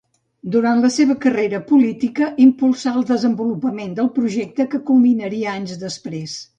Durant la seva carrera política, impulsà el desenvolupament del projecte, que culminaria anys després.